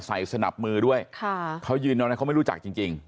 ใส่สนับมือด้วยเขายืนตอนนั้นเขาไม่รู้จักจริง